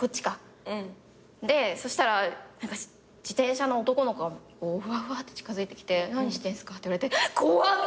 そしたら自転車の男の子がふわふわって近づいてきて何してんすか？って言われて怖っ！